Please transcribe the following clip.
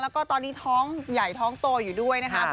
แล้วก็ตอนนี้ท้องใหญ่ท้องโตอยู่ด้วยนะครับ